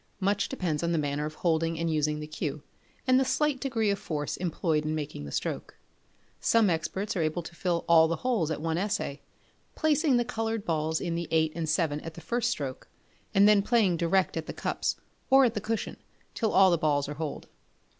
Much depends on the manner of holding and using the cue, and the slight degree of force employed in making the stroke. Some experts are able to fill all the holes at one essay, placing the coloured balls in the 8 and 7 at the first stroke, and then playing direct at the cups or at the cushion, till all the balls are holed.